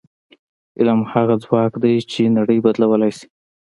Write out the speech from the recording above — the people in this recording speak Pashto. علم هغه ځواک دی چې نړۍ بدلولی شي.